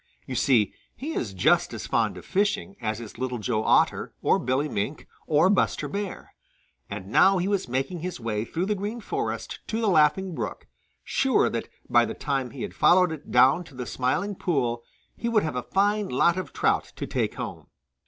You see, he is just as fond of fishing as is Little Joe Otter or Billy Mink or Buster Bear. And now he was making his way through the Green Forest to the Laughing Brook, sure that by the time he had followed it down to the Smiling Pool he would have a fine lot of trout to take home.